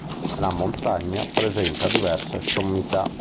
La montagna presenta diverse sommità.